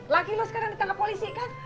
lagi lo sekarang ditangkap polisi kan